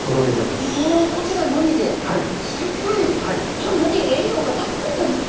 そんなに栄養がたっぷりなんですね。